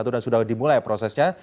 dan sudah dimulai prosesnya